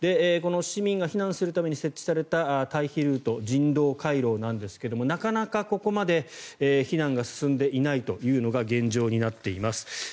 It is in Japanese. この、市民が避難するために設置された退避ルート、人道回廊ですがなかなかここまで避難が進んでいないというのが現状になっています。